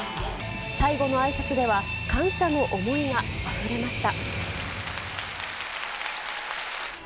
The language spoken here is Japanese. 最後のあいさつでは、感謝の思いがあふれました。